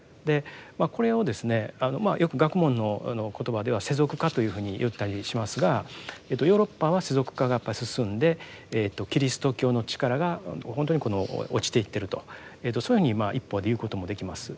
これをですねよく学問の言葉では「世俗化」というふうに言ったりしますがヨーロッパは世俗化がやっぱり進んでキリスト教の力がほんとにこの落ちていってるとそういうふうに一方で言うこともできます。